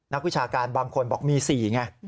วิชาการบางคนบอกมี๔ไง